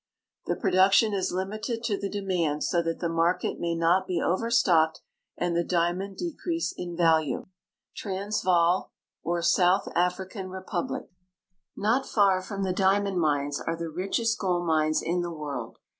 The production is limited to the demand, so that the market may not be overstocked and the diamond de crease in value. TRANSVAAL, OR SOUTH AFRICAN REPUBLIC Not far from the diamond mines are the richest gold mines in the world.